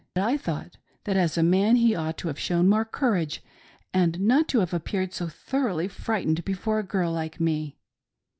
But I thought that as a man he ought to have shown more courage, and not ta have appeared so thoroughly frightened before a girl like me.